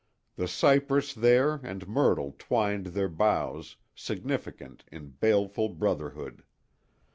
The cypress there and myrtle twined their boughs, Significant, in baleful brotherhood.